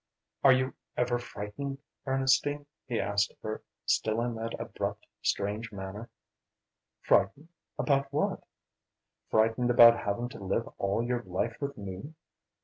"Are you ever frightened, Ernestine?" he asked of her, still in that abrupt, strange manner. "Frightened about what?" "Frightened about having to live all your life with me!"